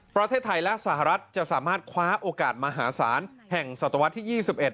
ประเทศไทยและสหรัฐจะสามารถคว้าโอกาสมหาศาลแห่งศตวรรษที่๒๑